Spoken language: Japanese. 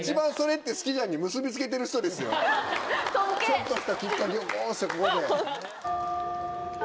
ちょっとしたきっかけをこうしてここで。